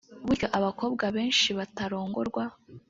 burya abakobwa benshi batarongorwa